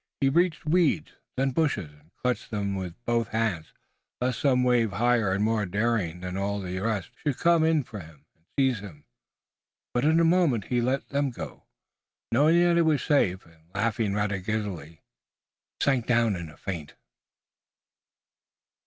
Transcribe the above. He reached weeds, then bushes, and clutched them with both hands, lest some wave higher and more daring than all the rest should yet come for him and seize him. But, in a moment, he let them go, knowing that he was safe, and laughing rather giddily, sank down in a faint.